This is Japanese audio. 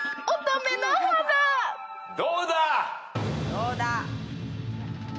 どうだ？